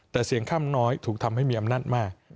แต่เสียงข้ามน้อยถูกทำให้มีอำนาจมาก